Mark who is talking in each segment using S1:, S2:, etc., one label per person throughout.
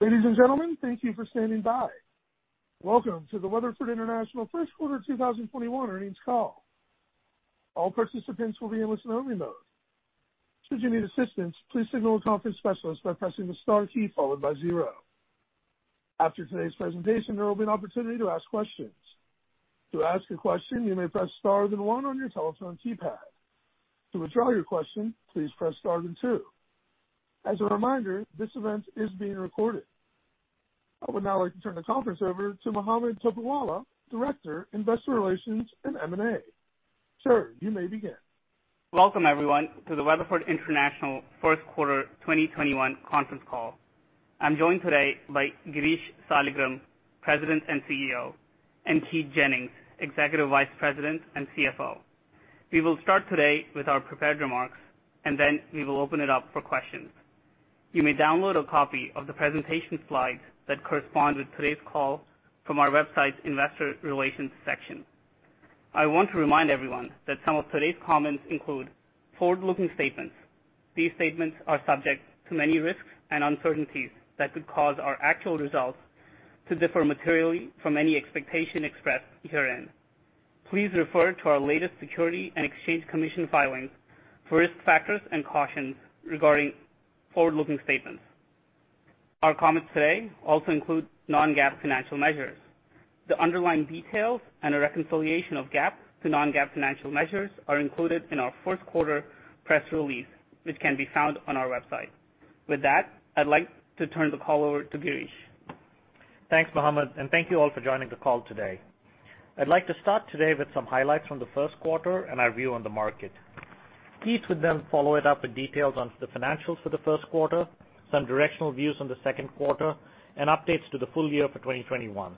S1: Ladies and gentlemen, thank you for standing by. Welcome to the Weatherford International First Quarter 2021 earnings call. All participants will be in listen-only mode. Should you need assistance, please signal a conference specialist by pressing the star key followed by zero. After today's presentation, there will be an opportunity to ask questions. To ask a question, you may press star then one on your telephone keypad. To withdraw your question, please press star then two. As a reminder, this event is being recorded. I would now like to turn the conference over to Mohammed Topiwala, Director, Investor Relations and M&A. Sir, you may begin.
S2: Welcome, everyone, to the Weatherford International first quarter 2021 conference call. I'm joined today by Girish Saligram, President and CEO, and Keith Jennings, Executive Vice President and CFO. We will start today with our prepared remarks, and then we will open it up for questions. You may download a copy of the presentation slides that correspond with today's call from our website's investor relations section. I want to remind everyone that some of today's comments include forward-looking statements. These statements are subject to many risks and uncertainties that could cause our actual results to differ materially from any expectation expressed herein. Please refer to our latest Securities and Exchange Commission filings for risk factors and cautions regarding forward-looking statements. Our comments today also include non-GAAP financial measures. The underlying details and a reconciliation of GAAP to non-GAAP financial measures are included in our fourth quarter press release, which can be found on our website. With that, I'd like to turn the call over to Girish.
S3: Thanks, Mohammed. Thank you all for joining the call today. I'd like to start today with some highlights from the first quarter and our view on the market. Keith would then follow it up with details on the financials for the first quarter, some directional views on the second quarter, and updates to the full year for 2021.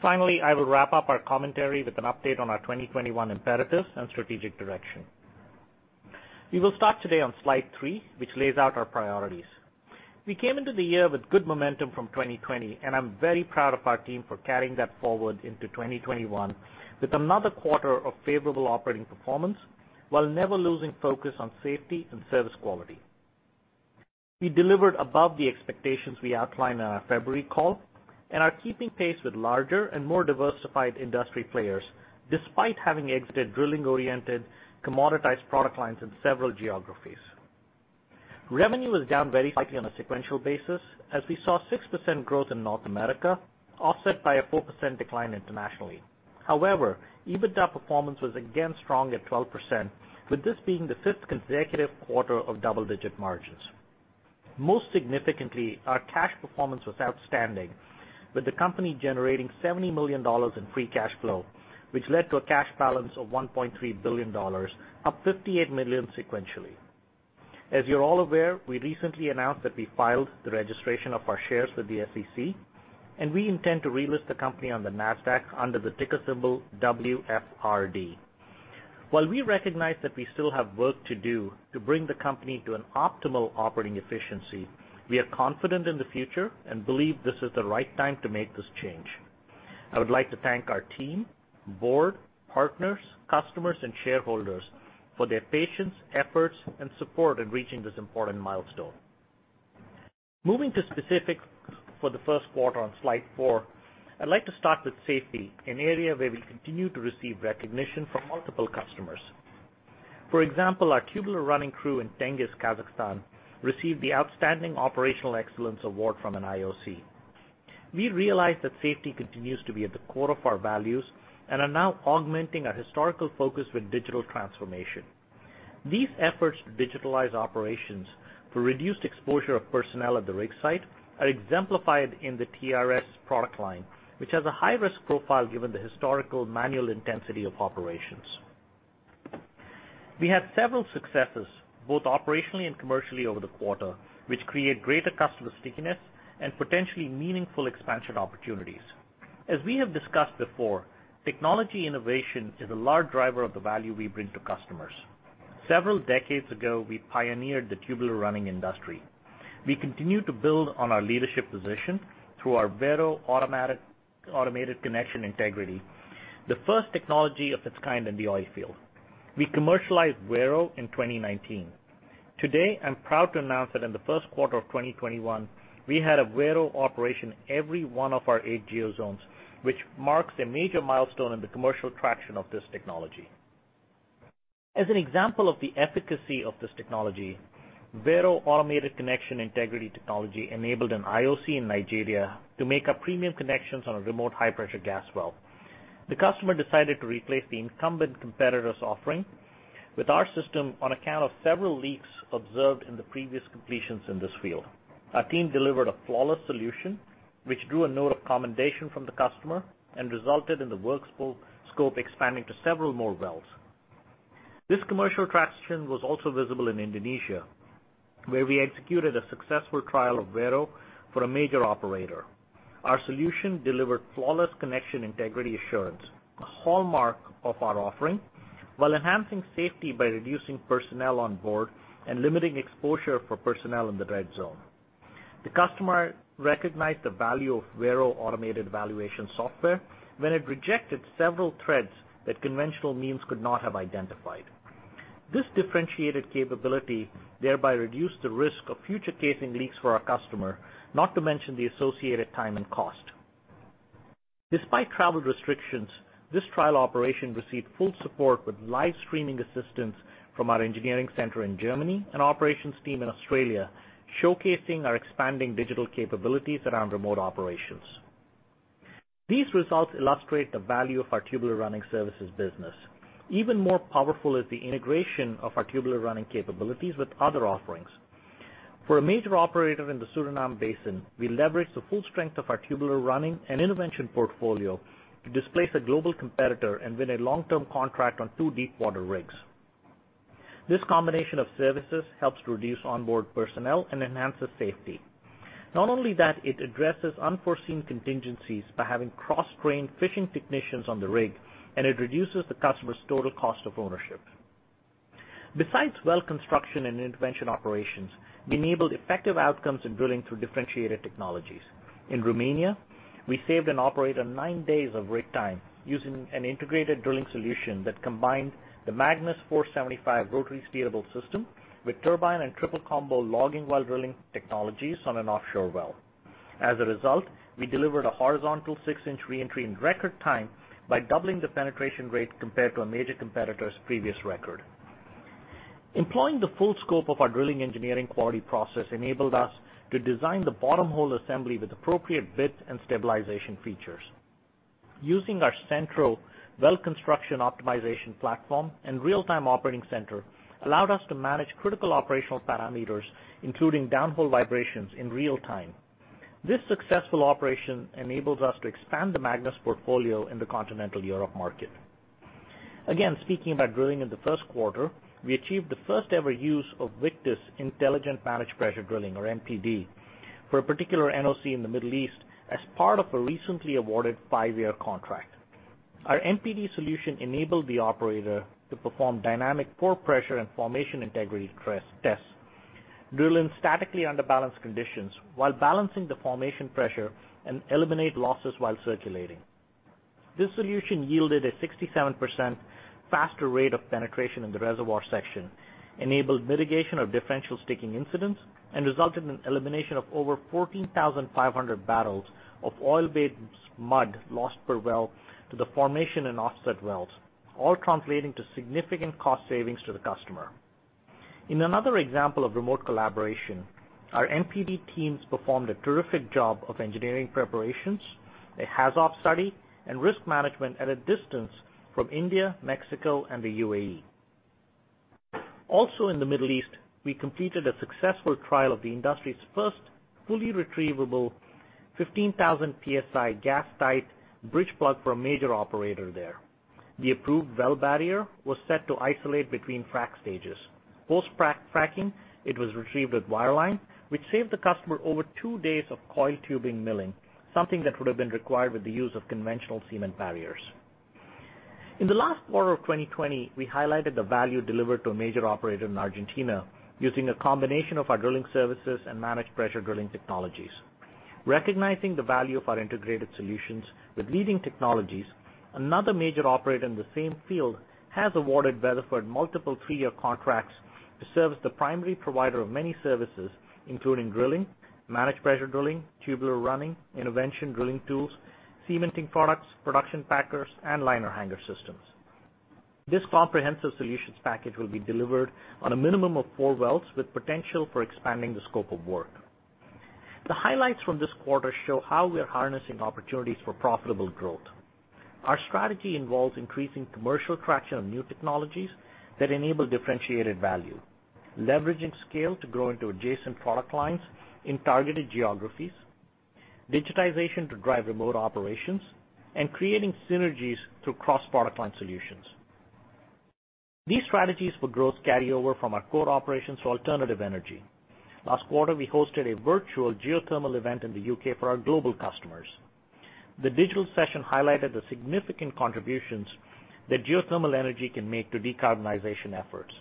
S3: Finally, I will wrap up our commentary with an update on our 2021 imperatives and strategic direction. We will start today on slide three, which lays out our priorities. We came into the year with good momentum from 2020, and I'm very proud of our team for carrying that forward into 2021 with another quarter of favorable operating performance while never losing focus on safety and service quality. We delivered above the expectations we outlined on our February call and are keeping pace with larger and more diversified industry players, despite having exited drilling-oriented commoditized product lines in several geographies. Revenue was down very slightly on a sequential basis as we saw 6% growth in North America, offset by a 4% decline internationally. However, EBITDA performance was again strong at 12%, with this being the fifth consecutive quarter of double-digit margins. Most significantly, our cash performance was outstanding, with the company generating $70 million in free cash flow, which led to a cash balance of $1.3 billion, up $58 million sequentially. As you're all aware, we recently announced that we filed the registration of our shares with the SEC, and we intend to relist the company on the Nasdaq under the ticker symbol WFRD. While we recognize that we still have work to do to bring the company to an optimal operating efficiency, we are confident in the future and believe this is the right time to make this change. I would like to thank our team, board, partners, customers, and shareholders for their patience, efforts, and support in reaching this important milestone. Moving to specifics for the first quarter on slide four, I'd like to start with safety, an area where we continue to receive recognition from multiple customers. For example, our tubular running crew in Tengiz, Kazakhstan, received the Outstanding Operational Excellence Award from an IOC. We realize that safety continues to be at the core of our values and are now augmenting our historical focus with digital transformation. These efforts to digitalize operations for reduced exposure of personnel at the rig site are exemplified in the TRS product line, which has a high-risk profile given the historical manual intensity of operations. We had several successes, both operationally and commercially over the quarter, which create greater customer stickiness and potentially meaningful expansion opportunities. As we have discussed before, technology innovation is a large driver of the value we bring to customers. Several decades ago, we pioneered the tubular running industry. We continue to build on our leadership position through our Vero automated connection integrity, the first technology of its kind in the oil field. We commercialized Vero in 2019. Today, I'm proud to announce that in the first quarter of 2021, we had a Vero operation every one of our eight geo zones, which marks a major milestone in the commercial traction of this technology. As an example of the efficacy of this technology, Vero automated connection integrity technology enabled an IOC in Nigeria to make up premium connections on a remote high-pressure gas well. The customer decided to replace the incumbent competitor's offering with our system on account of several leaks observed in the previous completions in this field. Our team delivered a flawless solution, which drew a note of commendation from the customer and resulted in the work scope expanding to several more wells. This commercial traction was also visible in Indonesia, where we executed a successful trial of Vero for a major operator. Our solution delivered flawless connection integrity assurance, a hallmark of our offering, while enhancing safety by reducing personnel on board and limiting exposure for personnel in the red zone. The customer recognized the value of Vero automated evaluation software when it rejected several threads that conventional means could not have identified. This differentiated capability thereby reduced the risk of future casing leaks for our customer, not to mention the associated time and cost. Despite travel restrictions, this trial operation received full support with live streaming assistance from our engineering center in Germany and operations team in Australia, showcasing our expanding digital capabilities around remote operations. These results illustrate the value of our tubular running services business. Even more powerful is the integration of our tubular running capabilities with other offerings. For a major operator in the Suriname basin, we leveraged the full strength of our tubular running and intervention portfolio to displace a global competitor and win a long-term contract on two deepwater rigs. This combination of services helps reduce onboard personnel and enhances safety. Not only that, it addresses unforeseen contingencies by having cross-trained fishing technicians on the rig, and it reduces the customer's total cost of ownership. Besides well construction and intervention operations, we enabled effective outcomes in drilling through differentiated technologies. In Romania, we saved an operator nine days of rig time using an integrated drilling solution that combined the Magnus 475 rotary steerable system with turbine and triple combo logging while drilling technologies on an offshore well. As a result, we delivered a horizontal six-inch re-entry in record time by doubling the penetration rate compared to a major competitor's previous record. Employing the full scope of our drilling engineering quality process enabled us to design the bottom hole assembly with appropriate bits and stabilization features. Using our central well construction optimization platform and real-time operating center allowed us to manage critical operational parameters, including downhole vibrations in real time. This successful operation enables us to expand the Magnus portfolio in the continental Europe market. Again, speaking about drilling in the first quarter, we achieved the first-ever use of Victus intelligent Managed Pressure Drilling, or MPD, for a particular NOC in the Middle East as part of a recently awarded five-year contract. Our MPD solution enabled the operator to perform dynamic pore pressure and formation integrity tests, drill in statically underbalanced conditions while balancing the formation pressure and eliminate losses while circulating. This solution yielded a 67% faster rate of penetration in the reservoir section, enabled mitigation of differential sticking incidents, and resulted in elimination of over 14,500 bbl of oil-based mud lost per well to the formation and offset wells, all translating to significant cost savings to the customer. In another example of remote collaboration, our MPD teams performed a terrific job of engineering preparations, a HAZOP study, and risk management at a distance from India, Mexico, and the UAE. In the Middle East, we completed a successful trial of the industry's first fully retrievable 15,000 PSI gas-tight bridge plug for a major operator there. The approved well barrier was set to isolate between frac stages. Post-fracking, it was retrieved with wireline, which saved the customer over two days of coil tubing milling, something that would have been required with the use of conventional cement barriers. In the last quarter of 2020, we highlighted the value delivered to a major operator in Argentina using a combination of our drilling services and Managed Pressure Drilling technologies. Recognizing the value of our integrated solutions with leading technologies, another major operator in the same field has awarded Weatherford multiple three-year contracts to serve as the primary provider of many services, including drilling, Managed Pressure Drilling, tubular running, intervention drilling tools, cementing products, production packers, and liner hanger systems. This comprehensive solutions package will be delivered on a minimum of four wells, with potential for expanding the scope of work. The highlights from this quarter show how we're harnessing opportunities for profitable growth. Our strategy involves increasing commercial traction on new technologies that enable differentiated value, leveraging scale to grow into adjacent product lines in targeted geographies, digitization to drive remote operations, and creating synergies through cross-product line solutions. These strategies for growth carry over from our core operations to alternative energy. Last quarter, we hosted a virtual geothermal event in the U.K. for our global customers. The digital session highlighted the significant contributions that geothermal energy can make to decarbonization efforts.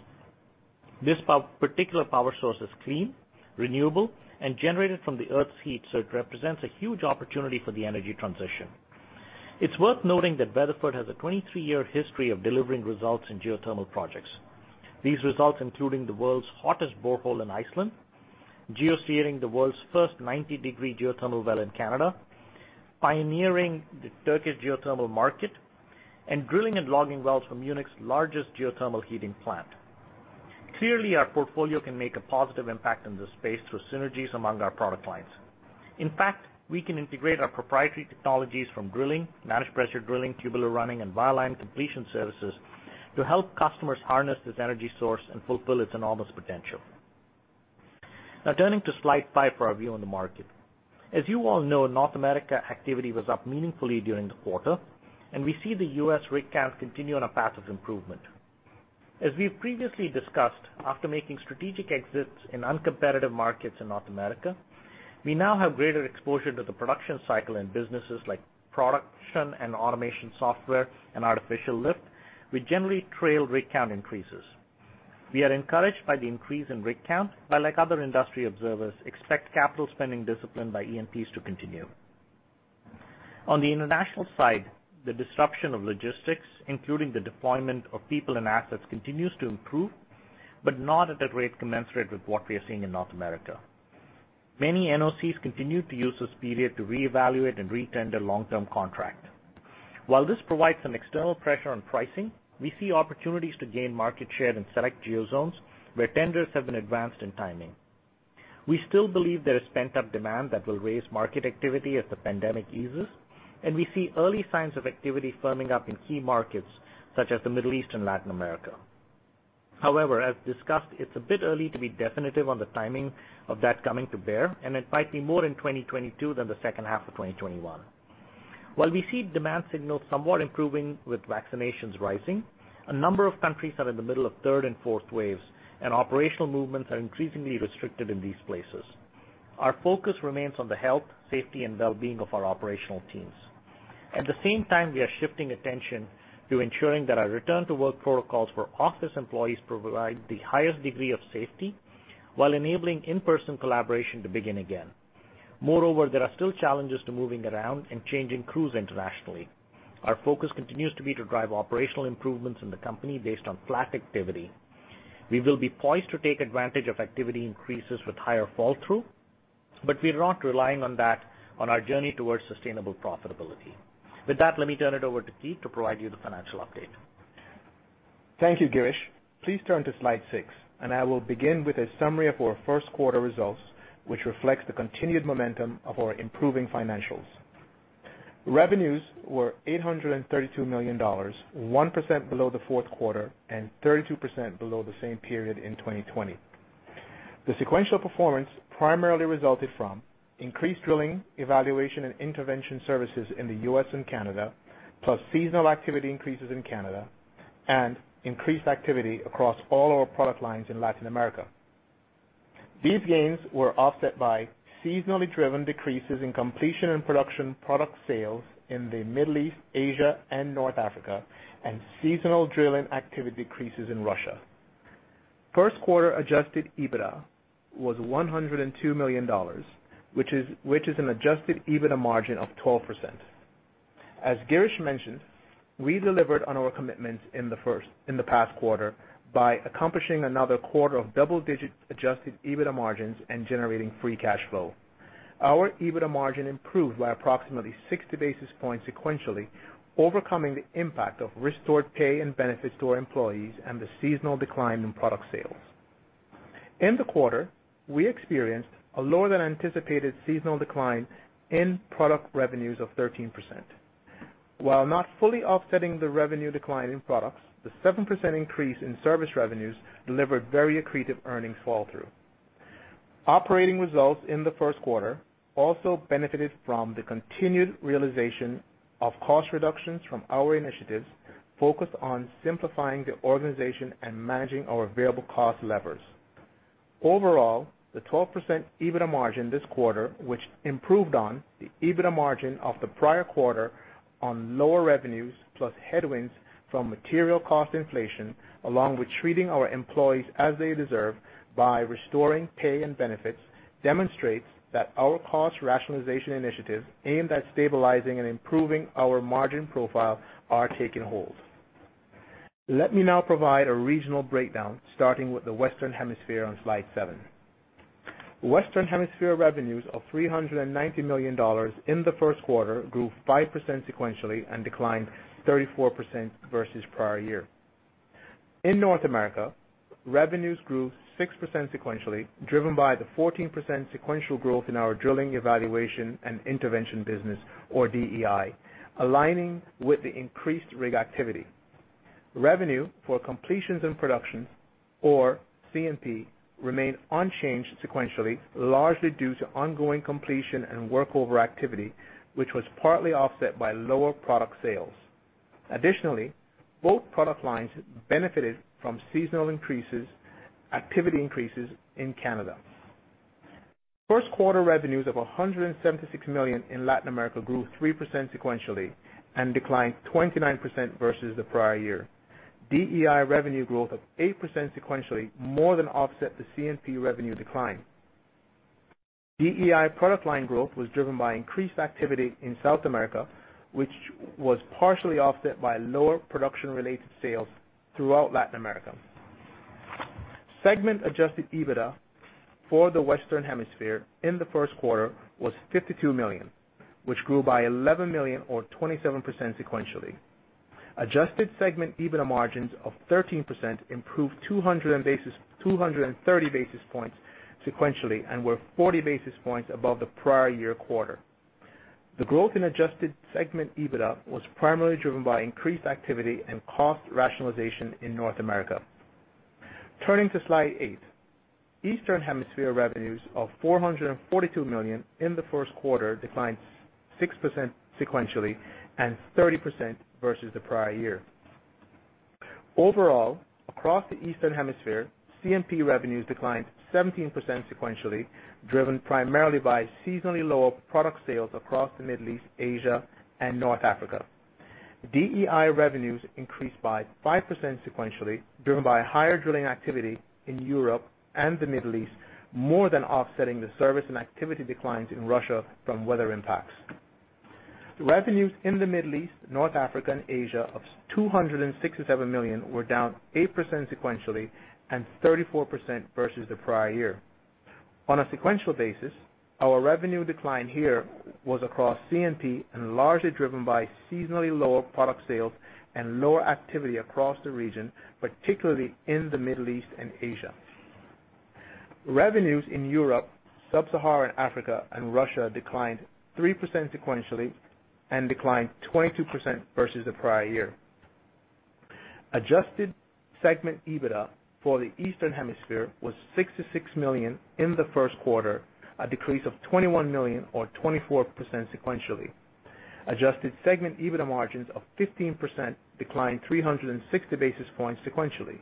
S3: This particular power source is clean, renewable, and generated from the Earth's heat, so it represents a huge opportunity for the energy transition. It's worth noting that Weatherford has a 23-year history of delivering results in geothermal projects. These results including the world's hottest borehole in Iceland, geo-steering the world's first 90-degree geothermal well in Canada, pioneering the Turkish geothermal market, and drilling and logging wells for Munich's largest geothermal heating plant. Clearly, our portfolio can make a positive impact on this space through synergies among our product lines. In fact, we can integrate our proprietary technologies from drilling, Managed Pressure Drilling, tubular running, and wireline completion services to help customers harness this energy source and fulfill its enormous potential. Now turning to slide five for our view on the market. As you all know, North America activity was up meaningfully during the quarter, and we see the U.S. rig count continue on a path of improvement. As we've previously discussed, after making strategic exits in uncompetitive markets in North America, we now have greater exposure to the production cycle and businesses like production and automation software and artificial lift, which generally trail rig count increases. We are encouraged by the increase in rig count, but like other industry observers, expect capital spending discipline by E&Ps to continue. On the international side, the disruption of logistics, including the deployment of people and assets, continues to improve, but not at a rate commensurate with what we are seeing in North America. Many NOCs continue to use this period to reevaluate and re-tender long-term contract. While this provides some external pressure on pricing, we see opportunities to gain market share in select geo zones where tenders have been advanced in timing. We still believe there is pent-up demand that will raise market activity as the pandemic eases, and we see early signs of activity firming up in key markets such as the Middle East and Latin America. However, as discussed, it's a bit early to be definitive on the timing of that coming to bear, and it might be more in 2022 than the second half of 2021. While we see demand signals somewhat improving with vaccinations rising, a number of countries are in the middle of third and fourth waves, and operational movements are increasingly restricted in these places. Our focus remains on the health, safety, and well-being of our operational teams. At the same time, we are shifting attention to ensuring that our return-to-work protocols for office employees provide the highest degree of safety while enabling in-person collaboration to begin again. Moreover, there are still challenges to moving around and changing crews internationally. Our focus continues to be to drive operational improvements in the company based on flat activity. We will be poised to take advantage of activity increases with higher fall through, but we are not relying on that on our journey towards sustainable profitability. With that, let me turn it over to Keith to provide you the financial update.
S4: Thank you, Girish. Please turn to slide six and I will begin with a summary of our first quarter results, which reflects the continued momentum of our improving financials. Revenues were $832 million, 1% below the fourth quarter and 32% below the same period in 2020. The sequential performance primarily resulted from increased drilling, evaluation, and intervention services in the U.S. and Canada, plus seasonal activity increases in Canada, and increased activity across all our product lines in Latin America. These gains were offset by seasonally driven decreases in completion and production product sales in the Middle East, Asia, and North Africa, and seasonal drilling activity decreases in Russia. First quarter adjusted EBITDA was $102 million, which is an adjusted EBITDA margin of 12%. As Girish mentioned, we delivered on our commitments in the past quarter by accomplishing another quarter of double-digit adjusted EBITDA margins and generating free cash flow. Our EBITDA margin improved by approximately 60 basis points sequentially, overcoming the impact of restored pay and benefits to our employees and the seasonal decline in product sales. In the quarter, we experienced a lower than anticipated seasonal decline in product revenues of 13%. While not fully offsetting the revenue decline in products, the 7% increase in service revenues delivered very accretive earnings fall through. Operating results in the first quarter also benefited from the continued realization of cost reductions from our initiatives focused on simplifying the organization and managing our variable cost levers. Overall, the 12% EBITDA margin this quarter, which improved on the EBITDA margin of the prior quarter on lower revenues, plus headwinds from material cost inflation, along with treating our employees as they deserve by restoring pay and benefits, demonstrates that our cost rationalization initiatives aimed at stabilizing and improving our margin profile are taking hold. Let me now provide a regional breakdown, starting with the Western Hemisphere on slide seven. Western Hemisphere revenues of $390 million in the first quarter grew 5% sequentially and declined 34% versus prior year. In North America, revenues grew 6% sequentially, driven by the 14% sequential growth in our drilling, evaluation, and intervention business or DEI, aligning with the increased rig activity. Revenue for completions and production or C&P remained unchanged sequentially, largely due to ongoing completion and workover activity, which was partly offset by lower product sales. Additionally, both product lines benefited from seasonal activity increases in Canada. First quarter revenues of $176 million in Latin America grew 3% sequentially and declined 29% versus the prior year. DEI revenue growth of 8% sequentially more than offset the C&P revenue decline. DEI product line growth was driven by increased activity in South America, which was partially offset by lower production-related sales throughout Latin America. Segment adjusted EBITDA for the Western Hemisphere in the first quarter was $52 million, which grew by $11 million or 27% sequentially. Adjusted segment EBITDA margins of 13% improved 230 basis points sequentially and were 40 basis points above the prior year quarter. The growth in adjusted segment EBITDA was primarily driven by increased activity and cost rationalization in North America. Turning to slide eight. Eastern Hemisphere revenues of $442 million in the first quarter declined 6% sequentially and 30% versus the prior year. Overall, across the Eastern Hemisphere, C&P revenues declined 17% sequentially, driven primarily by seasonally lower product sales across the Middle East, Asia, and North Africa. DEI revenues increased by 5% sequentially, driven by higher drilling activity in Europe and the Middle East, more than offsetting the service and activity declines in Russia from weather impacts. The revenues in the Middle East, North Africa, and Asia of $267 million were down 8% sequentially and 34% versus the prior year. On a sequential basis, our revenue decline here was across C&P and largely driven by seasonally lower product sales and lower activity across the region, particularly in the Middle East and Asia. Revenues in Europe, Sub-Saharan Africa, and Russia declined 3% sequentially and declined 22% versus the prior year. Adjusted segment EBITDA for the Eastern Hemisphere was $66 million in the first quarter, a decrease of $21 million or 24% sequentially. Adjusted segment EBITDA margins of 15% declined 360 basis points sequentially.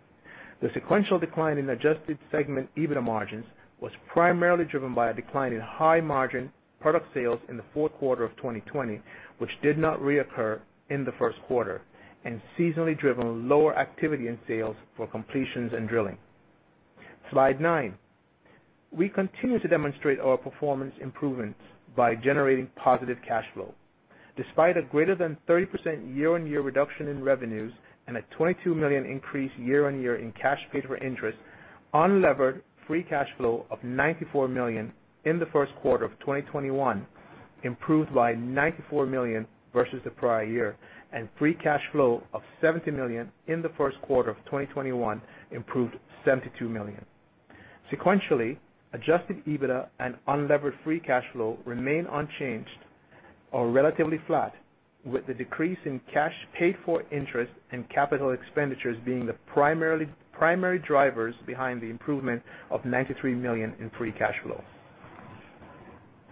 S4: The sequential decline in adjusted segment EBITDA margins was primarily driven by a decline in high-margin product sales in the fourth quarter of 2020, which did not reoccur in the first quarter, and seasonally driven lower activity in sales for completions and drilling. Slide nine. We continue to demonstrate our performance improvements by generating positive cash flow. Despite a greater than 30% year-on-year reduction in revenues and a $22 million increase year-on-year in cash paid for interest, unlevered free cash flow of $94 million in the first quarter of 2021 improved by $94 million versus the prior year, and free cash flow of $70 million in the first quarter of 2021 improved $72 million. Sequentially, adjusted EBITDA and unlevered free cash flow remain unchanged or relatively flat, with the decrease in cash paid for interest and capital expenditures being the primary drivers behind the improvement of $93 million in free cash flow.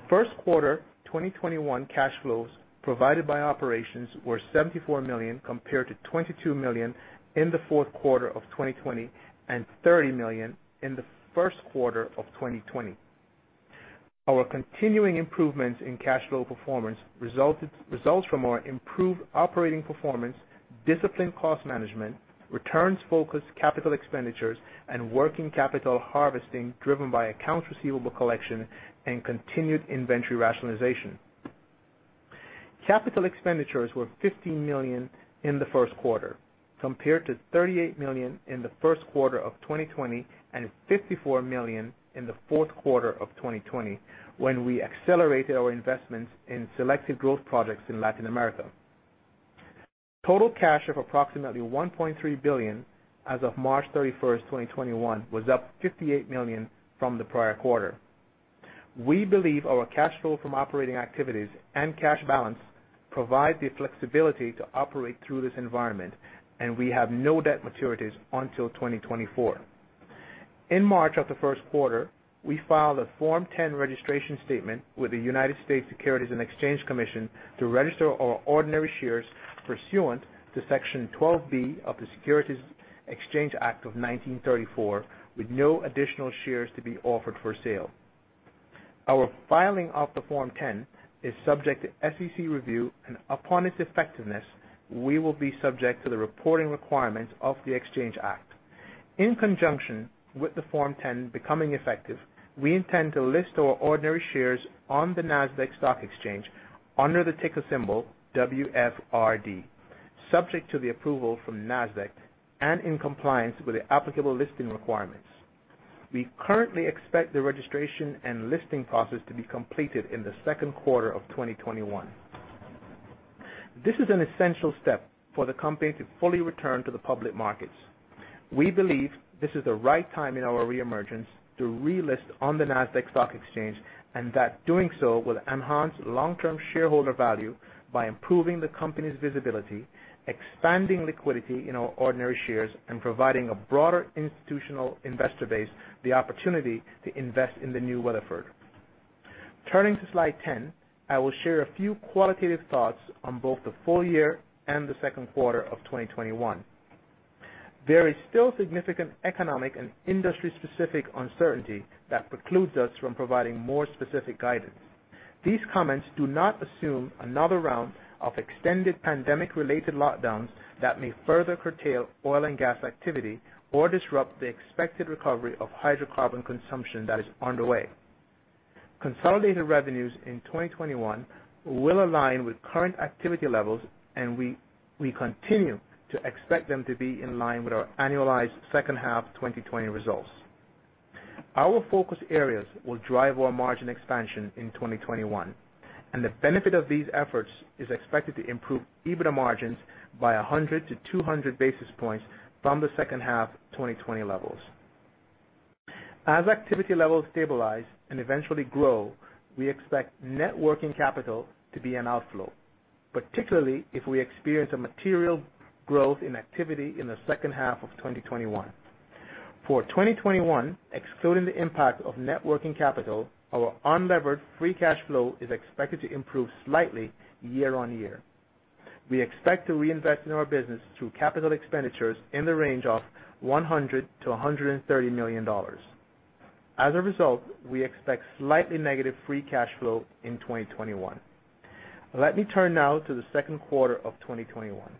S4: First quarter 2021 cash flows provided by operations were $74 million compared to $22 million in the fourth quarter of 2020 and $30 million in the first quarter of 2020. Our continuing improvements in cash flow performance results from our improved operating performance, disciplined cost management, returns-focused capital expenditures, and working capital harvesting, driven by accounts receivable collection and continued inventory rationalization. Capital expenditures were $15 million in the first quarter, compared to $38 million in the first quarter of 2020 and $54 million in the fourth quarter of 2020, when we accelerated our investments in selective growth projects in Latin America. Total cash of approximately $1.3 billion as of March 31st, 2021, was up $58 million from the prior quarter. We believe our cash flow from operating activities and cash balance provide the flexibility to operate through this environment, and we have no debt maturities until 2024. In March of the first quarter, we filed a Form 10 registration statement with the United States Securities and Exchange Commission to register our ordinary shares pursuant to Section 12B of the Securities Exchange Act of 1934, with no additional shares to be offered for sale. Our filing of the Form 10 is subject to SEC review, and upon its effectiveness, we will be subject to the reporting requirements of the Exchange Act. In conjunction with the Form 10 becoming effective, we intend to list our ordinary shares on the Nasdaq Stock Exchange under the ticker symbol WFRD, subject to the approval from Nasdaq and in compliance with the applicable listing requirements. We currently expect the registration and listing process to be completed in the second quarter of 2021. This is an essential step for the company to fully return to the public markets. We believe this is the right time in our reemergence to relist on the Nasdaq Stock Exchange, and that doing so will enhance long-term shareholder value by improving the company's visibility, expanding liquidity in our ordinary shares, and providing a broader institutional investor base the opportunity to invest in the new Weatherford. Turning to slide 10, I will share a few qualitative thoughts on both the full year and the second quarter of 2021. There is still significant economic and industry-specific uncertainty that precludes us from providing more specific guidance. These comments do not assume another round of extended pandemic-related lockdowns that may further curtail oil and gas activity or disrupt the expected recovery of hydrocarbon consumption that is underway. Consolidated revenues in 2021 will align with current activity levels, and we continue to expect them to be in line with our annualized second half 2020 results. Our focus areas will drive our margin expansion in 2021, and the benefit of these efforts is expected to improve EBITDA margins by 100 to 200 basis points from the second half 2020 levels. As activity levels stabilize and eventually grow, we expect net working capital to be an outflow, particularly if we experience a material growth in activity in the second half of 2021. For 2021, excluding the impact of net working capital, our unlevered free cash flow is expected to improve slightly year-on-year. We expect to reinvest in our business through capital expenditures in the range of $100 million-$130 million. As a result, we expect slightly negative free cash flow in 2021. Let me turn now to the second quarter of 2021.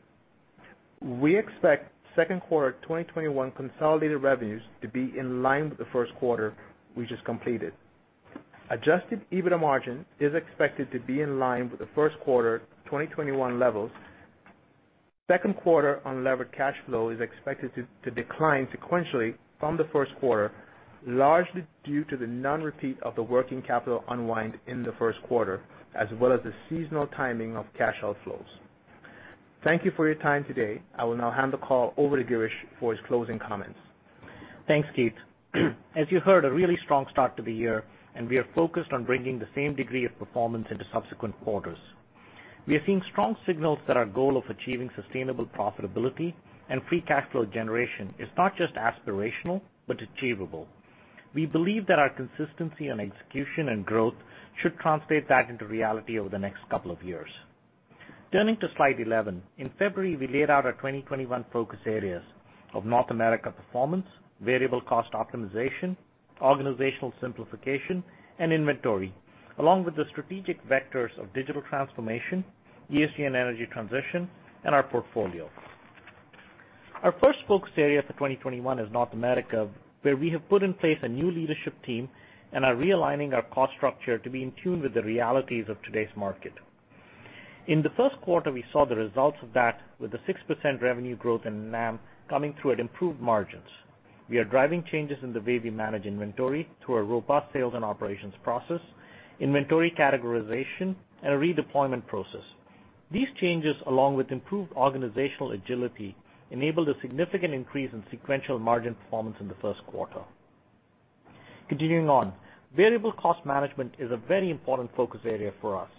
S4: We expect second quarter 2021 consolidated revenues to be in line with the first quarter we just completed. Adjusted EBITDA margin is expected to be in line with the first quarter 2021 levels. Second quarter unlevered cash flow is expected to decline sequentially from the first quarter, largely due to the non-repeat of the working capital unwind in the first quarter, as well as the seasonal timing of cash outflows. Thank you for your time today. I will now hand the call over to Girish for his closing comments.
S3: Thanks, Keith. As you heard, a really strong start to the year, and we are focused on bringing the same degree of performance into subsequent quarters. We are seeing strong signals that our goal of achieving sustainable profitability and free cash flow generation is not just aspirational, but achievable. We believe that our consistency in execution and growth should translate that into reality over the next couple of years. Turning to slide 11, in February, we laid out our 2021 focus areas of North America performance, variable cost optimization, organizational simplification, and inventory, along with the strategic vectors of digital transformation, ESG and energy transition, and our portfolio. Our first focus area for 2021 is North America, where we have put in place a new leadership team and are realigning our cost structure to be in tune with the realities of today's market. In the first quarter, we saw the results of that with the 6% revenue growth in NAM coming through at improved margins. We are driving changes in the way we manage inventory through our robust sales and operations process, inventory categorization, and a redeployment process. These changes, along with improved organizational agility, enabled a significant increase in sequential margin performance in the first quarter. Variable cost management is a very important focus area for us.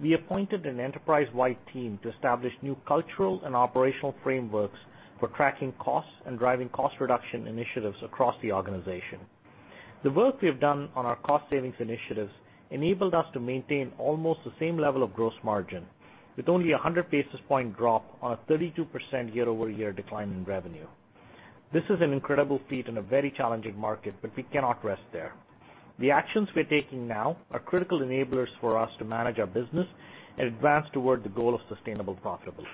S3: We appointed an enterprise-wide team to establish new cultural and operational frameworks for tracking costs and driving cost reduction initiatives across the organization. The work we have done on our cost savings initiatives enabled us to maintain almost the same level of gross margin, with only 100 basis points drop on a 32% year-over-year decline in revenue. This is an incredible feat in a very challenging market, we cannot rest there. The actions we're taking now are critical enablers for us to manage our business and advance toward the goal of sustainable profitability.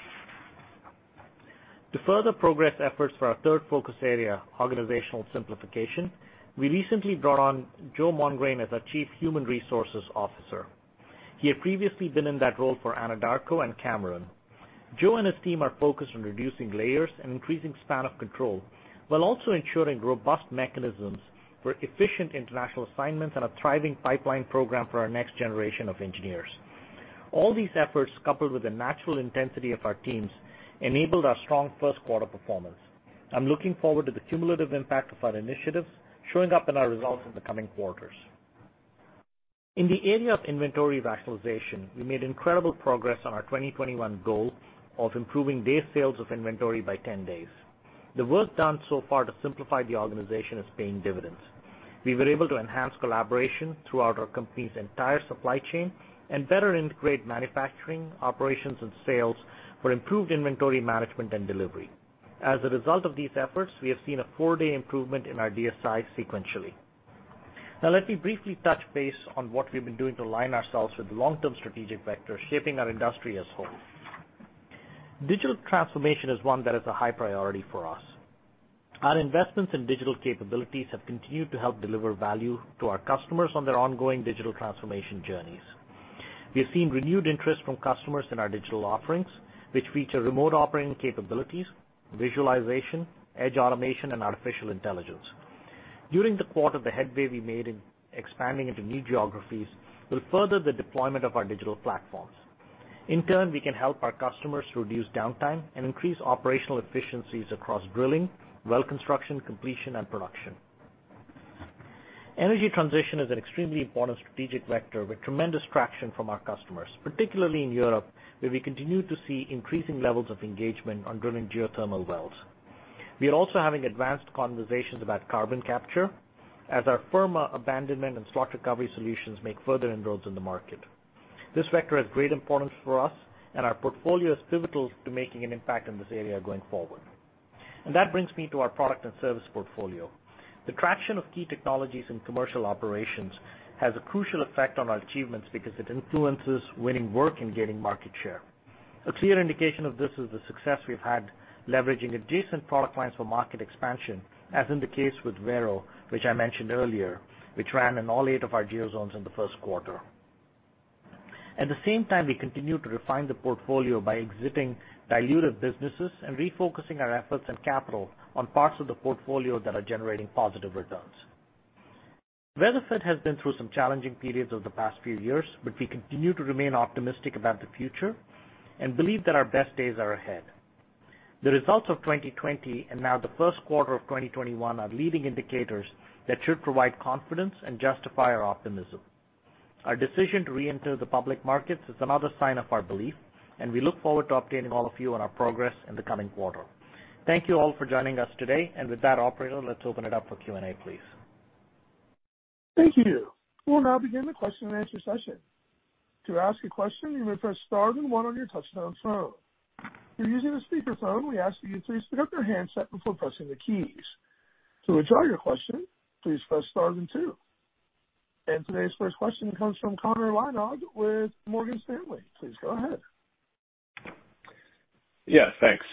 S3: To further progress efforts for our third focus area, organizational simplification, we recently brought on Joe Mongrain as our Chief Human Resources Officer. He had previously been in that role for Anadarko and Cameron. Joe and his team are focused on reducing layers and increasing span of control, while also ensuring robust mechanisms for efficient international assignments and a thriving pipeline program for our next generation of engineers. All these efforts, coupled with the natural intensity of our teams, enabled our strong first quarter performance. I'm looking forward to the cumulative impact of our initiatives showing up in our results in the coming quarters. In the area of inventory rationalization, we made incredible progress on our 2021 goal of improving day sales of inventory by 10 days. The work done so far to simplify the organization is paying dividends. We were able to enhance collaboration throughout our company's entire supply chain and better integrate manufacturing, operations, and sales for improved inventory management and delivery. As a result of these efforts, we have seen a four-day improvement in our DSI sequentially. Let me briefly touch base on what we've been doing to align ourselves with the long-term strategic vectors shaping our industry as a whole. Digital transformation is one that is a high priority for us. Our investments in digital capabilities have continued to help deliver value to our customers on their ongoing digital transformation journeys. We have seen renewed interest from customers in our digital offerings, which feature remote operating capabilities, visualization, edge automation, and artificial intelligence. During the quarter, the headway we made in expanding into new geographies will further the deployment of our digital platforms. In turn, we can help our customers reduce downtime and increase operational efficiencies across drilling, well construction, completion, and production. Energy transition is an extremely important strategic vector with tremendous traction from our customers, particularly in Europe, where we continue to see increasing levels of engagement on drilling geothermal wells. We are also having advanced conversations about carbon capture as our Firma abandonment and slot recovery solutions make further inroads in the market. This vector is great importance for us, and our portfolio is pivotal to making an impact in this area going forward. That brings me to our product and service portfolio. The traction of key technologies in commercial operations has a crucial effect on our achievements because it influences winning work and gaining market share. A clear indication of this is the success we've had leveraging adjacent product lines for market expansion, as in the case with Vero, which I mentioned earlier, which ran in all eight of our geo zones in the first quarter. At the same time, we continue to refine the portfolio by exiting diluted businesses and refocusing our efforts and capital on parts of the portfolio that are generating positive returns. Weatherford has been through some challenging periods over the past few years, but we continue to remain optimistic about the future and believe that our best days are ahead. The results of 2020 and now the first quarter of 2021 are leading indicators that should provide confidence and justify our optimism. Our decision to reenter the public markets is another sign of our belief, and we look forward to updating all of you on our progress in the coming quarter. Thank you all for joining us today. With that, operator, let's open it up for Q&A, please.
S1: Thank you. We'll now begin the question and answer session. To ask a question, you may press star then one on your touch-tone phone. If you are using speaker phone, we're asking you to pick up your handset before pressing the keys. To withdraw your question, press star then two. Today's first question comes from Connor Lynagh with Morgan Stanley. Please go ahead.
S5: Yeah, thanks.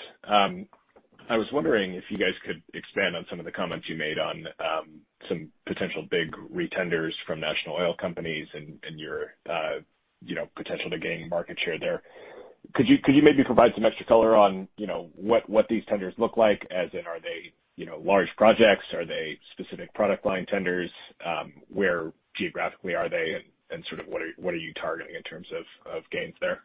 S5: I was wondering if you guys could expand on some of the comments you made on some potential big retenders from national oil companies and your potential to gain market share there. Could you maybe provide some extra color on what these tenders look like? As in, are they large projects? Are they specific product line tenders? Where geographically are they and sort of what are you targeting in terms of gains there?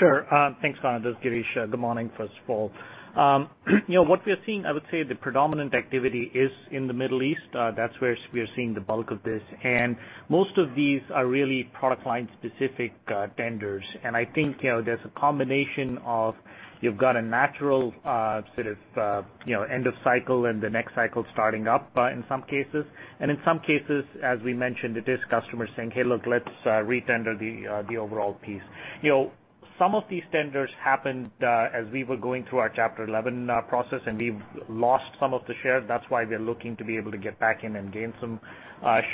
S3: Sure. Thanks, Connor Lynagh. This is Girish K. Saligram. Good morning, first of all. What we are seeing, I would say the predominant activity is in the Middle East. That's where we are seeing the bulk of this, and most of these are really product line specific tenders. I think, there's a combination of, you've got a natural sort of end of cycle and the next cycle starting up in some cases. In some cases, as we mentioned, it is customers saying, "Hey, look, let's retender the overall piece." Some of these tenders happened as we were going through our Chapter 11 process, and we've lost some of the share. That's why we are looking to be able to get back in and gain some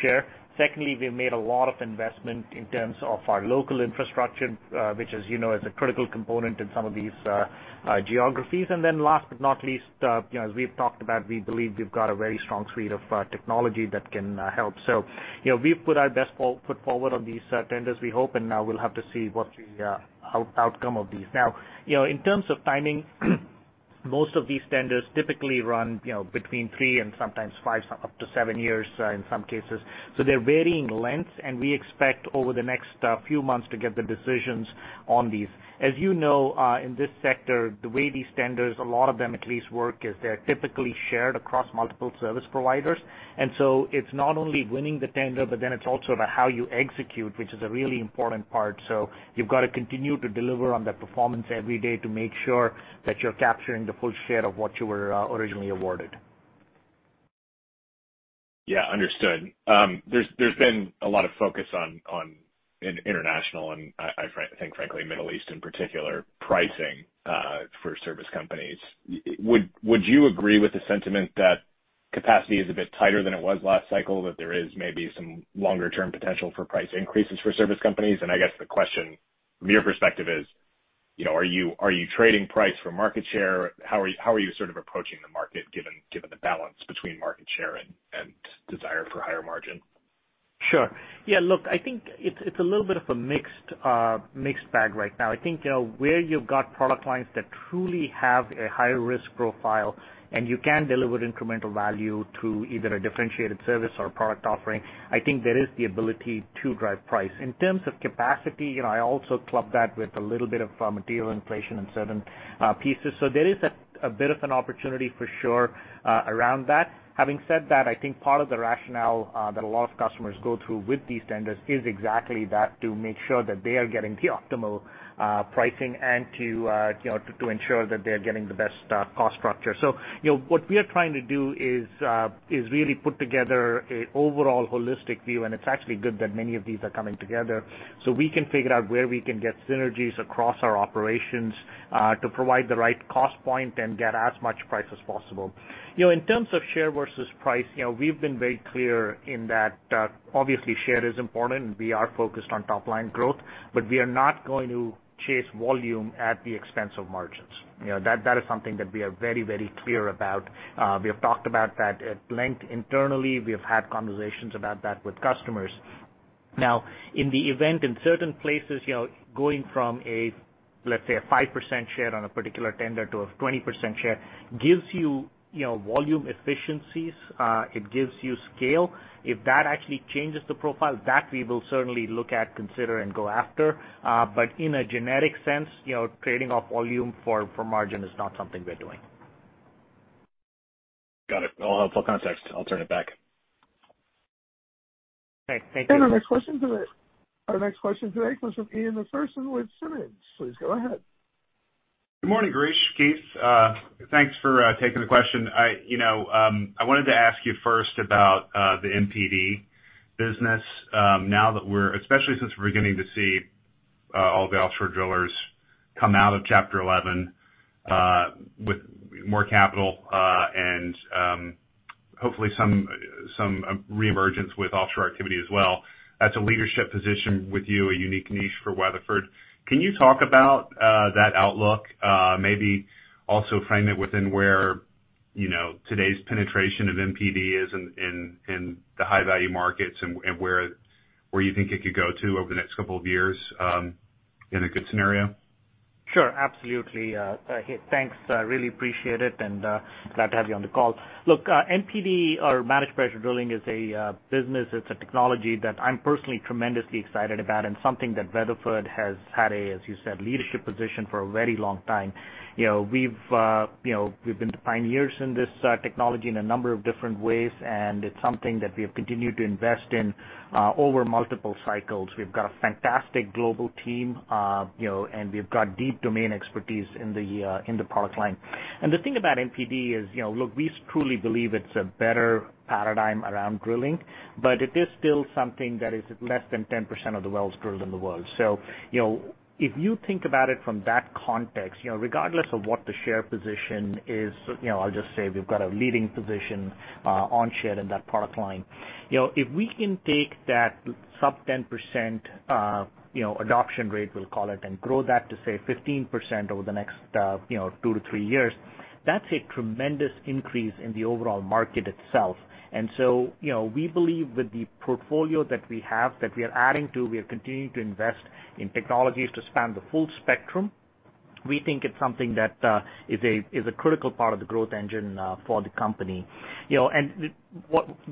S3: share. Secondly, we've made a lot of investment in terms of our local infrastructure, which as you know, is a critical component in some of these geographies. Then last but not least, as we've talked about, we believe we've got a very strong suite of technology that can help. We've put our best foot forward on these tenders, we hope, and now we'll have to see what the outcome of these. In terms of timing, most of these tenders typically run between three and sometimes five, up to seven years in some cases. They're varying lengths, and we expect over the next few months to get the decisions on these. As you know, in this sector, the way these tenders, a lot of them at least work, is they're typically shared across multiple service providers. It's not only winning the tender, but then it's also about how you execute, which is a really important part. You've got to continue to deliver on that performance every day to make sure that you're capturing the full share of what you were originally awarded.
S5: Understood. There's been a lot of focus on international and I think frankly, Middle East in particular, pricing for service companies. Would you agree with the sentiment that capacity is a bit tighter than it was last cycle, that there is maybe some longer term potential for price increases for service companies? I guess the question from your perspective is, are you trading price for market share? How are you sort of approaching the market given the balance between market share and desire for higher margin?
S3: Sure. Yeah, look, I think it's a little bit of a mixed bag right now. I think where you've got product lines that truly have a high risk profile and you can deliver incremental value to either a differentiated service or a product offering, I think there is the ability to drive price. In terms of capacity, I also club that with a little bit of material inflation in certain pieces. There is a bit of an opportunity for sure, around that. Having said that, I think part of the rationale that a lot of customers go through with these tenders is exactly that, to make sure that they are getting the optimal pricing and to ensure that they're getting the best cost structure. What we are trying to do is really put together an overall holistic view, and it's actually good that many of these are coming together so we can figure out where we can get synergies across our operations, to provide the right cost point and get as much price as possible. In terms of share versus price, we've been very clear in that, obviously share is important and we are focused on top line growth, but we are not going to chase volume at the expense of margins. That is something that we are very, very clear about. We have talked about that at length internally. We have had conversations about that with customers. Now, in the event, in certain places, going from a, let's say a 5% share on a particular tender to a 20% share gives you volume efficiencies, it gives you scale. If that actually changes the profile, that we will certainly look at, consider, and go after. In a generic sense, trading off volume for margin is not something we're doing.
S5: Got it. All helpful context. I'll turn it back.
S3: Great. Thank you.
S1: Our next question today comes from Ian Macpherson with Simmons. Please go ahead.
S6: Good morning, Girish, Keith. Thanks for taking the question. I wanted to ask you first about the MPD business, especially since we're beginning to see all the offshore drillers come out of Chapter 11, with more capital, and hopefully some reemergence with offshore activity as well. That's a leadership position with you, a unique niche for Weatherford. Can you talk about that outlook? Maybe also frame it within where today's penetration of MPD is in the high value markets and where you think it could go to over the next couple of years, in a good scenario?
S3: Sure. Absolutely. Hey, thanks. Really appreciate it and glad to have you on the call. Look, MPD or managed pressure drilling is a business, it's a technology that I'm personally tremendously excited about and something that Weatherford has had, as you said, leadership position for a very long time. We've been pioneers in this technology in a number of different ways, and it's something that we have continued to invest in over multiple cycles. We've got a fantastic global team, and we've got deep domain expertise in the product line. The thing about MPD is, look, we truly believe it's a better paradigm around drilling, but it is still something that is less than 10% of the wells drilled in the world. If you think about it from that context, regardless of what the share position is, I'll just say we've got a leading position on share in that product line. If we can take that sub 10% adoption rate, we'll call it, and grow that to, say, 15% over the next two to three years, that's a tremendous increase in the overall market itself. We believe with the portfolio that we have, that we are adding to, we are continuing to invest in technologies to span the full spectrum. We think it's something that is a critical part of the growth engine for the company.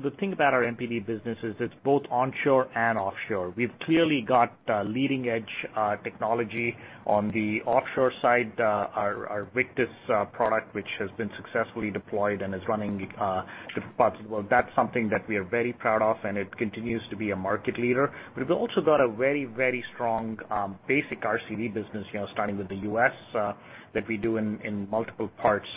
S3: The thing about our MPD business is it's both onshore and offshore. We've clearly got leading-edge technology on the offshore side. Our Victus, which has been successfully deployed and is running different parts of the world, that's something that we are very proud of, and it continues to be a market leader. We've also got a very strong basic RCD business starting with the U.S. that we do in multiple parts.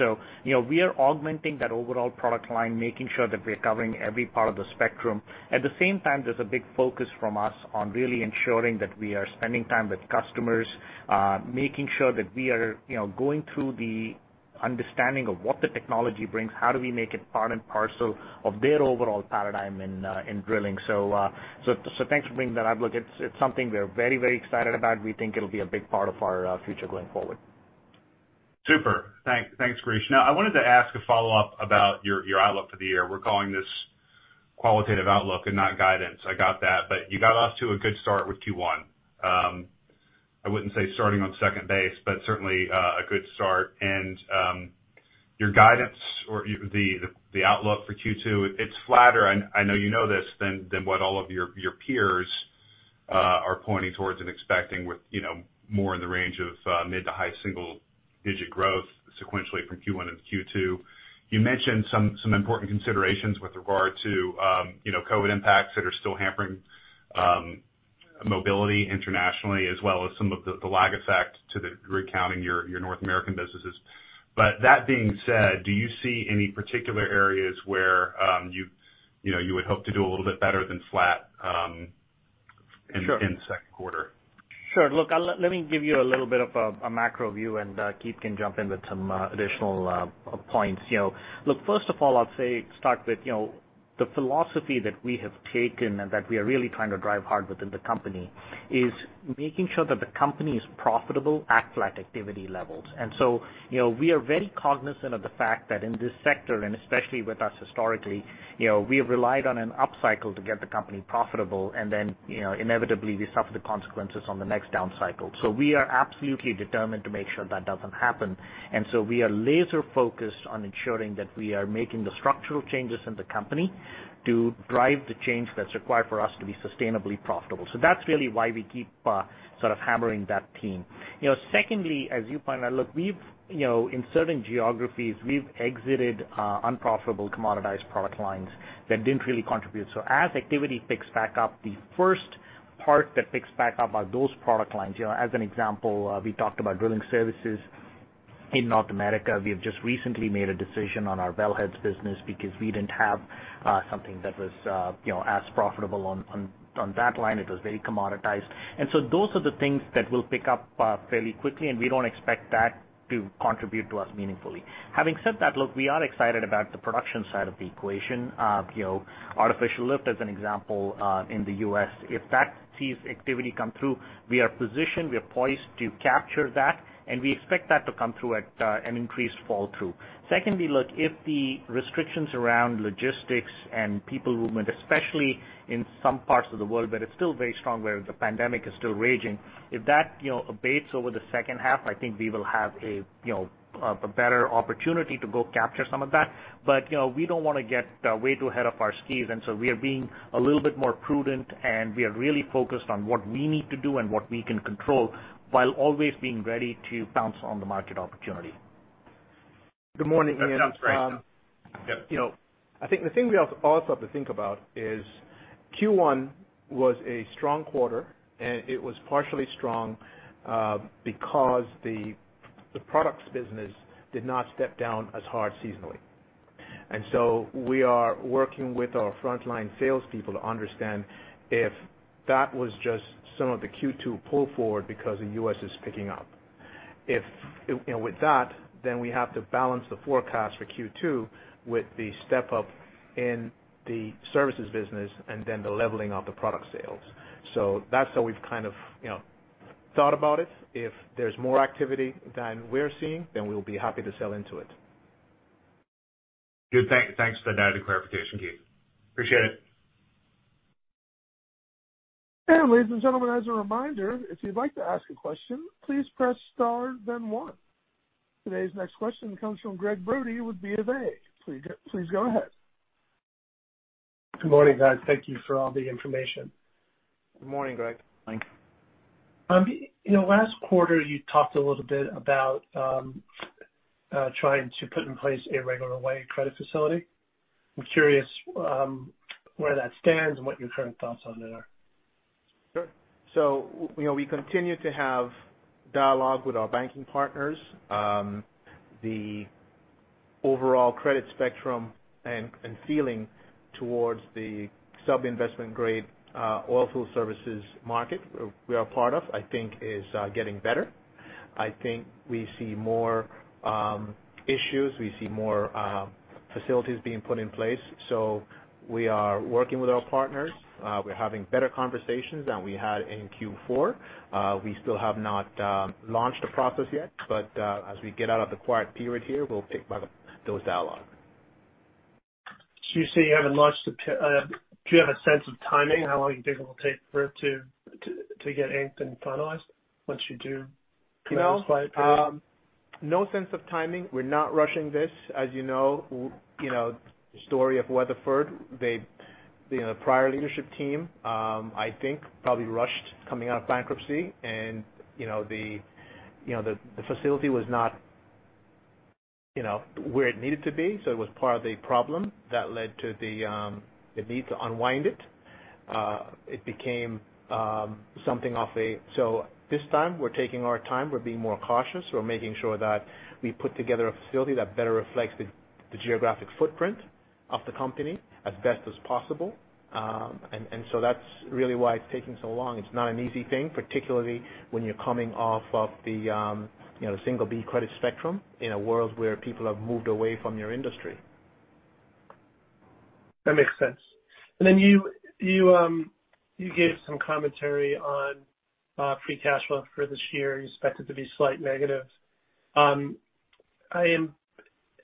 S3: We are augmenting that overall product line, making sure that we are covering every part of the spectrum. At the same time, there's a big focus from us on really ensuring that we are spending time with customers, making sure that we are going through the understanding of what the technology brings, how do we make it part and parcel of their overall paradigm in drilling. Thanks for bringing that up. Look, it's something we're very excited about. We think it'll be a big part of our future going forward.
S6: Super. Thanks, Girish. You got off to a good start with Q1. We're calling this qualitative outlook and not guidance. I got that. You got off to a good start with Q1. I wouldn't say starting on second base, but certainly, a good start. Your guidance or the outlook for Q2, it's flatter, I know you know this, than what all of your peers are pointing towards and expecting with more in the range of mid to high single-digit growth sequentially from Q1 into Q2. You mentioned some important considerations with regard to COVID impacts that are still hampering mobility internationally, as well as some of the lag effect to the rig count in your North American businesses. That being said, do you see any particular areas where you would hope to do a little bit better than flat in second quarter?
S3: Sure. Look, let me give you a little bit of a macro view, and Keith can jump in with some additional points. Look, first of all, I'd say start with the philosophy that we have taken and that we are really trying to drive hard within the company is making sure that the company is profitable at flat activity levels. We are very cognizant of the fact that in this sector, and especially with us historically, we have relied on an upcycle to get the company profitable, and then inevitably we suffer the consequences on the next down cycle. We are absolutely determined to make sure that doesn't happen. We are laser-focused on ensuring that we are making the structural changes in the company to drive the change that's required for us to be sustainably profitable. That's really why we keep sort of hammering that theme. Secondly, as you point out, look, in certain geographies, we've exited unprofitable commoditized product lines that didn't really contribute. As activity picks back up, the first part that picks back up are those product lines. As an example, we talked about drilling services in North America. We have just recently made a decision on our wellheads business because we didn't have something that was as profitable on that line. It was very commoditized. Those are the things that will pick up fairly quickly, and we don't expect that to contribute to us meaningfully. Having said that, look, we are excited about the production side of the equation. Artificial lift as an example in the U.S., if that sees activity come through, we are positioned, we are poised to capture that, and we expect that to come through at an increased fall through. Secondly, look, if the restrictions around logistics and people movement, especially in some parts of the world, but it's still very strong where the pandemic is still raging. If that abates over the second half, I think we will have a better opportunity to go capture some of that. We don't want to get way too ahead of our skis, and so we are being a little bit more prudent, and we are really focused on what we need to do and what we can control, while always being ready to pounce on the market opportunity.
S4: Good morning.
S6: Yeah, that's great.
S4: I think the thing we also have to think about is Q1 was a strong quarter, and it was partially strong because the products business did not step down as hard seasonally. We are working with our frontline salespeople to understand if that was just some of the Q2 pull forward because the U.S. is picking up. With that, then we have to balance the forecast for Q2 with the step-up in the services business and then the leveling of the product sales. That's how we've kind of thought about it. If there's more activity than we're seeing, then we'll be happy to sell into it.
S6: Good. Thanks for that clarification, Keith. Appreciate it.
S1: Ladies and gentlemen, as a reminder, if you'd like to ask a question, please press star then one. Today's next question comes from Chase Mulvehill with Bank of America. Please go ahead.
S7: Good morning, guys. Thank you for all the information.
S4: Good morning, Chase Mulvehill.
S7: Last quarter, you talked a little bit about trying to put in place a regular way credit facility. I'm curious where that stands and what your current thoughts on it are.
S4: Sure. We continue to have dialogue with our banking partners. The overall credit spectrum and feeling towards the sub-investment grade oilfield services market we are part of, I think is getting better. I think we see more issues. We see more facilities being put in place. We are working with our partners. We're having better conversations than we had in Q4. We still have not launched the process yet, as we get out of the quiet period here, we'll pick by those dialogues.
S7: You say you haven't launched. Do you have a sense of timing, how long you think it will take for it to get inked and finalized once you do come out of this quiet period?
S4: No sense of timing. We're not rushing this. As you know, the story of Weatherford, the prior leadership team, I think probably rushed coming out of bankruptcy and the facility was not where it needed to be. It was part of the problem that led to the need to unwind it. It became something off. This time we're taking our time, we're being more cautious. We're making sure that we put together a facility that better reflects the geographic footprint of the company as best as possible. That's really why it's taking so long. It's not an easy thing, particularly when you're coming off of the single B credit spectrum in a world where people have moved away from your industry.
S7: That makes sense. Then you gave some commentary on free cash flow for this year. You expect it to be slightly negative.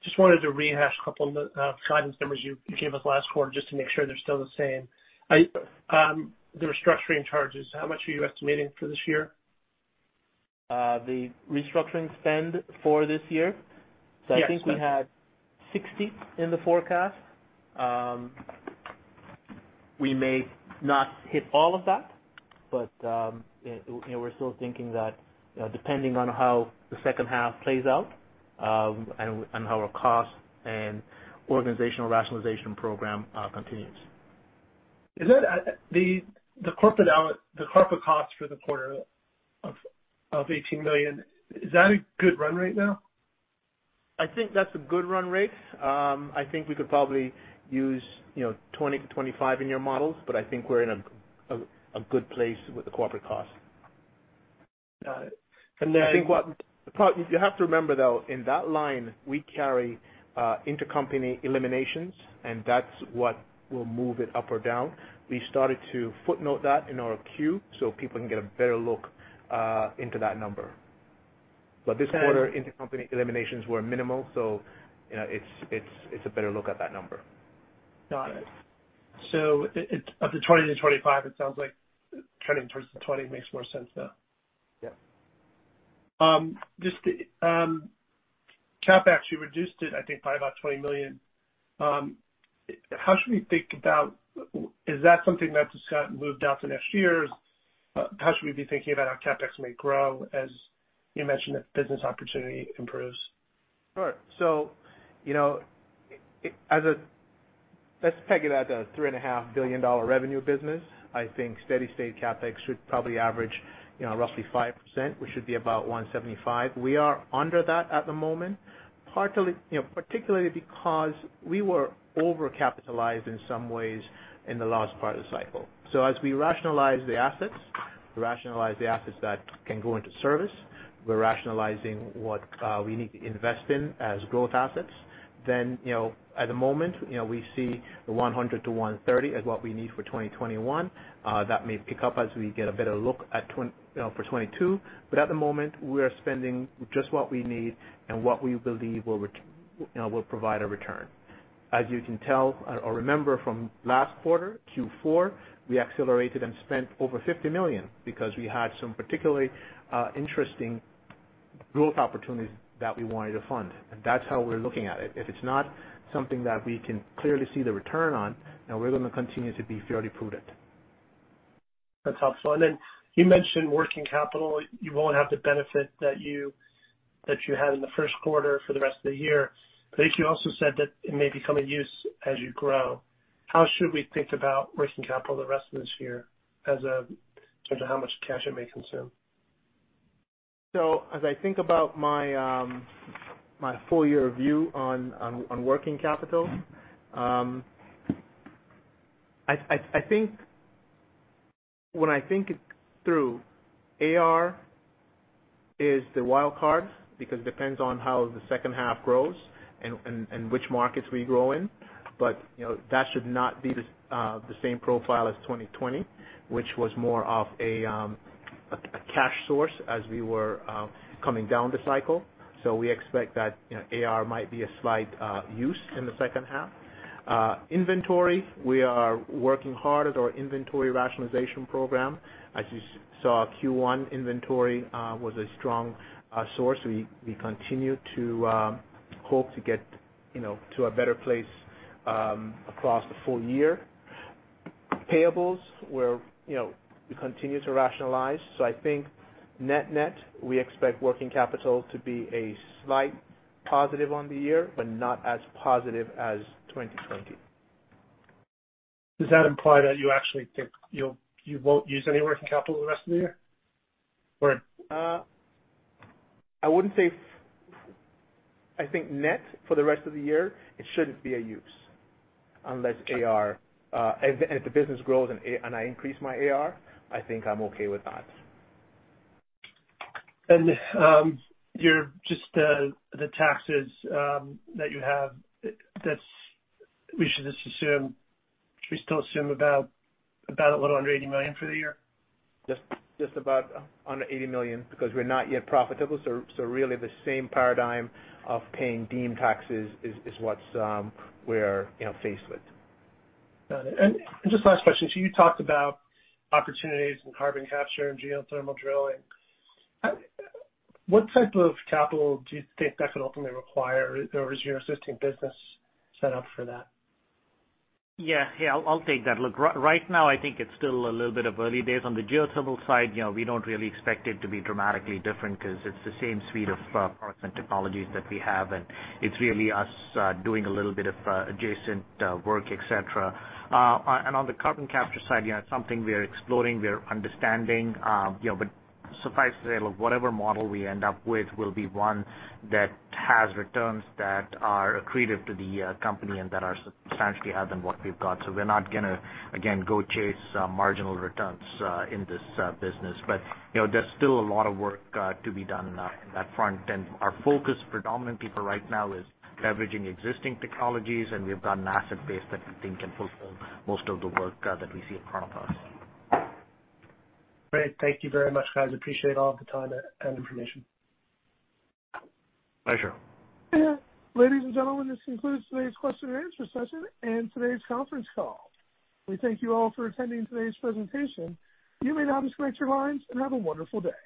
S7: I just wanted to rehash a couple of the guidance numbers you gave us last quarter just to make sure they're still the same.
S4: Sure.
S7: The restructuring charges, how much are you estimating for this year?
S4: The restructuring spend for this year?
S7: Yes.
S4: I think we had $60 million in the forecast. We may not hit all of that, but we're still thinking that depending on how the second half plays out, and how our cost and organizational rationalization program continues.
S7: The corporate costs for the quarter of $18 million. Is that a good run rate now?
S4: I think that's a good run rate. I think we could probably use $20 million-$25 million in your models, but I think we're in a good place with the corporate cost.
S7: Got it.
S4: You have to remember though, in that line, we carry intercompany eliminations. That's what will move it up or down. We started to footnote that in our quarter so people can get a better look into that number. This quarter, intercompany eliminations were minimal. It's a better look at that number.
S7: Got it. Of the $20 million-$25 million, it sounds like trending towards the $20 million makes more sense now.
S4: Yeah.
S7: CapEx actually reduced it, I think, by about $20 million. Is that something that's just gotten moved out to next year? How should we be thinking about how CapEx may grow as you mentioned that business opportunity improves?
S4: Sure. Let's peg it as a $3.5 billion revenue business. I think steady state CapEx should probably average roughly 5%, which should be about $175 million. We are under that at the moment, particularly because we were overcapitalized in some ways in the last part of the cycle. As we rationalize the assets that can go into service, we're rationalizing what we need to invest in as growth assets. At the moment, we see the $100 million-$130 million as what we need for 2021. That may pick up as we get a better look for 2022. At the moment, we are spending just what we need and what we believe will provide a return. As you can tell or remember from last quarter, Q4, we accelerated and spent over $50 million because we had some particularly interesting growth opportunities that we wanted to fund. That's how we're looking at it. If it's not something that we can clearly see the return on, we're going to continue to be fairly prudent.
S7: That's helpful. You mentioned working capital. You won't have the benefit that you had in the first quarter for the rest of the year. I think you also said that it may become a use as you grow. How should we think about working capital the rest of this year in terms of how much cash it may consume?
S4: As I think about my full year view on working capital. When I think it through, AR is the wild card because it depends on how the second half grows and which markets we grow in. That should not be the same profile as 2020, which was more of a cash source as we were coming down the cycle. We expect that AR might be a slight use in the second half. Inventory, we are working hard at our inventory rationalization program. As you saw, Q1 inventory was a strong source. We continue to hope to get to a better place across the full year. Payables, we continue to rationalize. I think net-net, we expect working capital to be a slight positive on the year, but not as positive as 2020.
S7: Does that imply that you actually think you won't use any working capital the rest of the year?
S4: I wouldn't say I think net for the rest of the year, it shouldn't be a use unless If the business grows and I increase my AR, I think I'm okay with that.
S7: Just the taxes that you have, should we still assume about a little under $80 million for the year?
S4: Just about under $80 million because we're not yet profitable. Really the same paradigm of paying deemed taxes is what we're faced with.
S7: Got it. Just last question. You talked about opportunities in carbon capture and geothermal drilling. What type of capital do you think that can ultimately require? Or is your existing business set up for that?
S3: Yeah. I'll take that. Look, right now I think it's still a little bit of early days. On the geothermal side, we don't really expect it to be dramatically different because it's the same suite of products and technologies that we have, and it's really us doing a little bit of adjacent work, et cetera. On the carbon capture side, it's something we are exploring, we are understanding. Suffice to say, look, whatever model we end up with will be one that has returns that are accretive to the company and that are substantially higher than what we've got. We're not going to, again, go chase marginal returns in this business. There's still a lot of work to be done in that front. Our focus predominantly for right now is leveraging existing technologies, and we've got an asset base that we think can fulfill most of the work that we see in front of us.
S7: Great. Thank you very much, guys. Appreciate all the time and information.
S3: Pleasure.
S1: Ladies and gentlemen, this concludes today's question and answer session and today's conference call. We thank you all for attending today's presentation. You may now disconnect your lines and have a wonderful day.